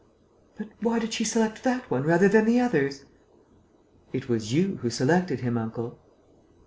"But why did she select that one rather than the others?" "It was you who selected him, uncle."